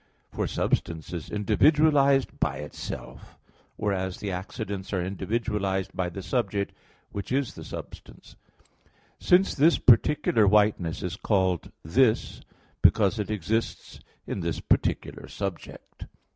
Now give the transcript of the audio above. For substance is individualized by itself; whereas the accidents are individualized by the subject, which is the substance; since this particular whiteness is called "this," because it exists in this particular subject.